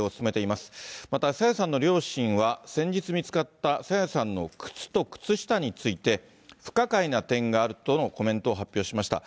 また、朝芽さんの両親は、先日見つかった朝芽さんの靴と靴下について、不可解な点があるとのコメントを発表しました。